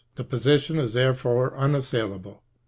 The position is there fore unassailable.